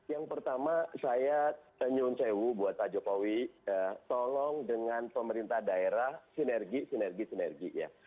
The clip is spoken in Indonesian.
yang pertama saya senyun sewu buat pak jokowi tolong dengan pemerintah daerah sinergi sinergi sinergi ya